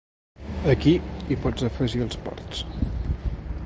Aquí hi pots afegir els ports.